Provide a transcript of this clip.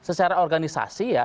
secara organisasi ya